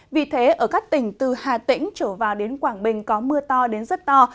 vì thế ở các tỉnh từ hà tĩnh trở vào đến quảng bình có mưa to đến rất to